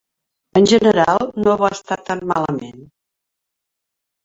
En general, no va estar tan malament.